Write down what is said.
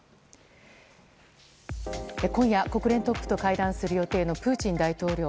今夜、国連トップと会談する予定のプーチン大統領。